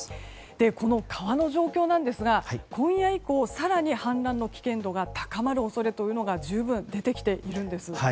この川の状況ですが今夜以降更に氾濫の危険度が高まる恐れが十分出てきているんです。